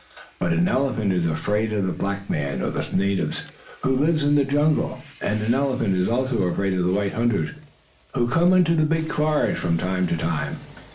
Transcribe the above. But an elephant is afraid of the black men, or natives, who live in the jungle, and an elephant is also afraid of the white hunters, who come into the big forest from time to time.